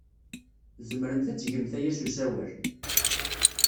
Tzemremt ad tgemt aya s usawal.